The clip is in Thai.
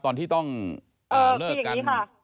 ตอนที่ต้องเลิกกัน